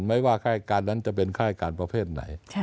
ไม่ว่าค่ายการนั้นจะเป็นค่ายการประเภทไหน